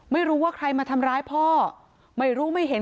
ไม่รู้ว่าใครมาทำร้ายพ่อไม่รู้ไม่เห็น